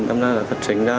chắc là phát trình ra